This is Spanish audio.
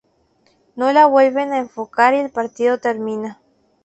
No la vuelven a enfocar y el partido termina.